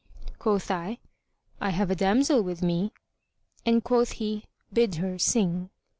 Quoth I, "I have a damsel with me;" and quoth he "Bid her sing."